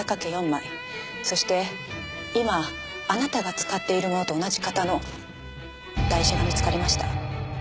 そして今あなたが使っているものと同じ型の台車が見つかりました。